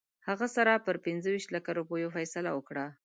هغه سره پر پنځه ویشت لکه روپیو فیصله وکړه.